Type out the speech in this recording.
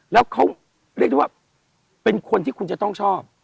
แล้วเขาเรียกได้ว่าเป็นคนที่คุณจะต้องชอบ